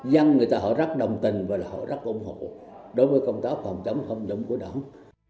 dân người ta họ rất đồng tình và họ rất ủng hộ đối với công tác phòng chống tham nhũng của đảng